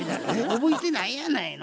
覚えてないやないの。